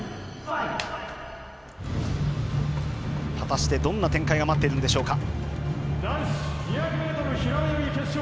果たして、どんな展開が待っているんでしょうか。